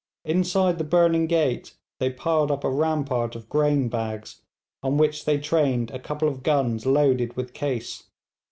Inside the burning gate they piled up a rampart of grain bags, on which they trained a couple of guns loaded with case.